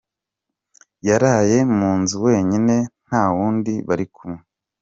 Yaraye mu nzu wenyine ntawundi bari kumwe.